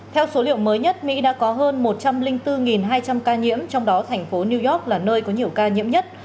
theo số liệu mới nhất mỹ đã có hơn một trăm linh bốn hai trăm linh ca nhiễm trong đó thành phố new york là nơi có nhiều ca nhiễm nhất